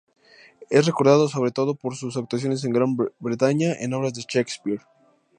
Es recordado sobre todo por sus actuaciones en Gran Bretaña en obras de Shakespeare.